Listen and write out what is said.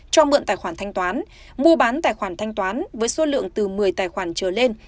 cho mượn tài khoản thanh toán mua bán tài khoản thanh toán với số lượng từ một mươi tài khoản trở lên